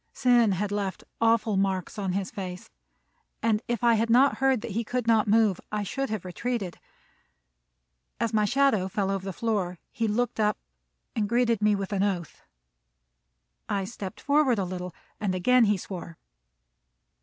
Sin had left awful marks on his face, and if I had not heard that he could not move, I should have retreated. As my shadow fell over the floor, he looked up and greeted me with an oath. I stepped forward a little, and again he swore.